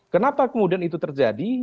kenapa kemudian itu terjadi